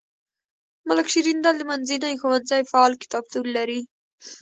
ملک شیریندل منځنی ښوونځی فعال کتابتون لري.